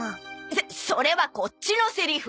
そそれはこっちのセリフ。